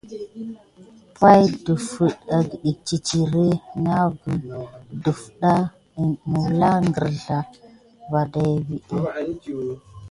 Pay ɗəfiŋ agəte titiré naku negəlke ikil kulan va kirzel adawuteki va.